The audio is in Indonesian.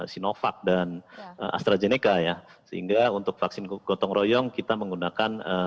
sinovac dan astrazeneca ya sehingga untuk vaksin gotong royong kita menggunakan